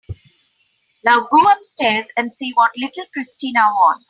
Now go upstairs and see what little Christina wants.